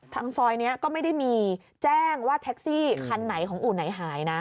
ทางซอยนี้ก็ไม่ได้มีแจ้งว่าแท็กซี่คันไหนของอู่ไหนหายนะ